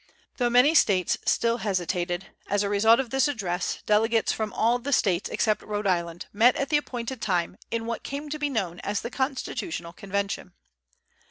Though many States still hesitated, as a result of this address, delegates from all the States except Rhode Island met at the appointed time in what came to be known as the Constitutional Convention.